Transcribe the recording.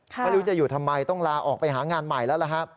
ไม่รู้จะอยู่ทำไมต้องลาออกไปหางานใหม่แล้วล่ะครับ